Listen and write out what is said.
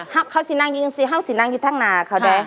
เหาะสินังทางหน้าเขาได้